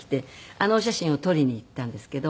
あのお写真を撮りに行ったんですけど。